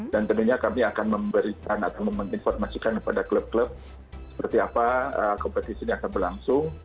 tentunya kami akan memberikan atau menginformasikan kepada klub klub seperti apa kompetisi ini akan berlangsung